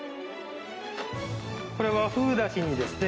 これ和風だしにですね